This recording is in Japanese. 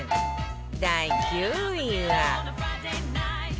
第９位は